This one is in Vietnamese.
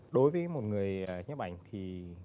đối với một người nhiếp ảnh thì